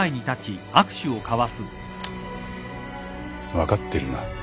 分かってるな。